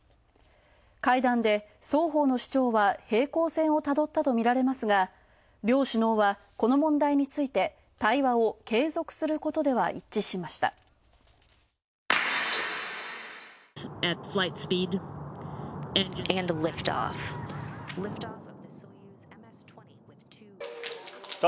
会談で相当の主張は平行線をたどったとみられますが、両首脳はこの問題について対話を継続することでは一致しました。